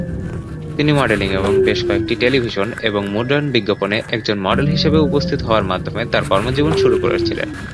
তিনি মডেলিং এবং বেশ কয়েকটি টেলিভিশন এবং মুদ্রণের বিজ্ঞাপনে একজন মডেল হিসেবে উপস্থিত হওয়ার মাধ্যমে তাঁর কর্মজীবন শুরু করেছিলেন।